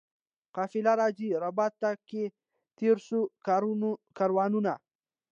قافله راځي ربات ته که تېر سوي کاروانونه؟